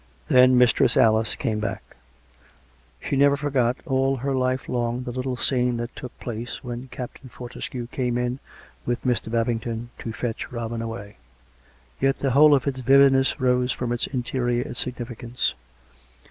Then Mistress Alice came back. COME RACK! COME ROPE! 17d She never forgot, all her life long, the little scene that took place when Captain Fortescue came in with Mr. Bab ington, to fetch Robin away. Yet the whole of its vivid ness rose from its interior significance.